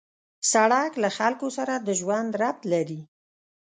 سړک له خلکو سره د ژوند ربط لري.